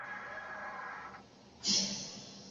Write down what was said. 冲绳县恩纳村出身。